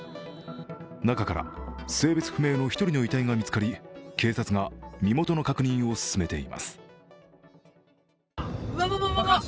中から性別不明の１人の遺体が見つかり警察が身元の確認を進めています。